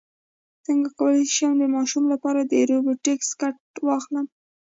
څنګه کولی شم د ماشومانو لپاره د روبوټکس کټ واخلم